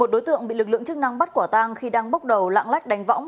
một đối tượng bị lực lượng chức năng bắt quả tang khi đang bốc đầu lạng lách đánh võng